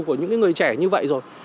của những người trẻ như vậy rồi